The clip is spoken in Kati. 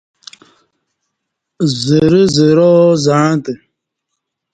زرہ زرا زعݩتہ